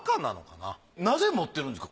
なぜ持ってるんですか？